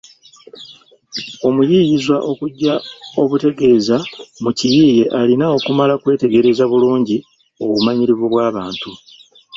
Omuyiiyizwa okujja obutegeeza mu kiyiiye alina kumala kwetegereza bulungi obumanyirivu bw’abantu.